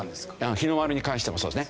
日の丸に関してもそうですね。